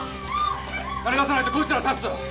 金出さないとこいつら刺すぞ！